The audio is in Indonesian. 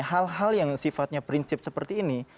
hal hal yang sifatnya prinsip seperti ini